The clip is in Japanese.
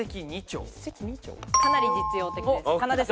かなり実用的です。